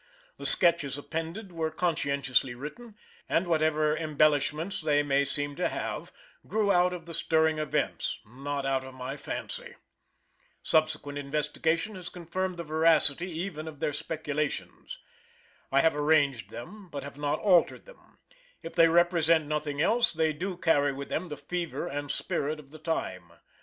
The Sketches appended were conscientiously written, and whatever embellishments they may seem to have grew out of the stirring events, not out of my fancy. Subsequent investigation has confirmed the veracity even of their speculations. I have arranged them, but have not altered them; if they represent nothing else, they do carry with them the fever and spirit of the time.